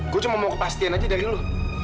gue cuma mau kepastian aja dari lu